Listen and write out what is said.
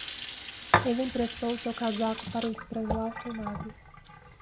Ele emprestou seu casaco para o estranho alto e magro.